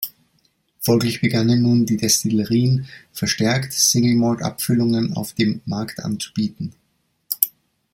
Folglich begannen nun die Destillerien verstärkt, Single-Malt-Abfüllungen auf dem Markt anzubieten.